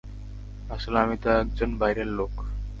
আসিলে আমিতো একজন বাইরের লোক।